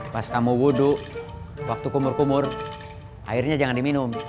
pas kamu wudhu waktu kumur kumur airnya jangan diminum